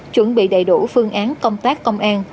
chuẩn bị đầy đủ phương án công tác công an